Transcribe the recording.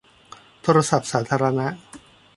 โทรศัพท์สาธารณะ